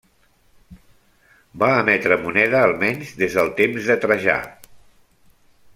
Va emetre moneda almenys des del temps de Trajà.